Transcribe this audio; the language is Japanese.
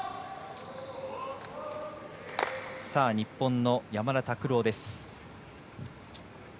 日本の山田拓朗です。